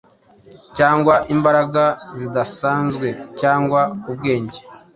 cyangwa imbaraga zidasanzwe, cyangwa ubwenge,